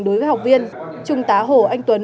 đối với học viên trung tá hồ anh tuấn